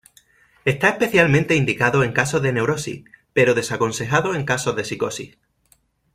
Está especialmente indicado en casos de neurosis, pero desaconsejado en casos de psicosis.